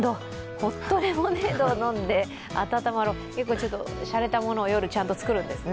ホットレモネードを飲んで温まろう、しゃれたものを夜ちゃんと作るんですね。